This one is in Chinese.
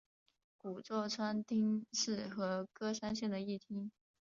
古座川町是和歌山县的一町。